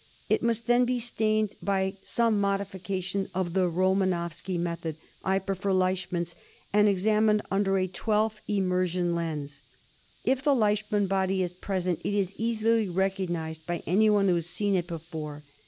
It must then be stained by some modification of the Romanowsky method — I prefer Leishman's — and examined under a twelfth immersion lens. If the Leishman body is present, it is easily recog nised by anyone who has seen it before.